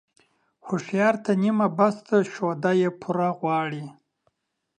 هوښيار ته نيمه بس ده ، شوده يې پوره غواړي.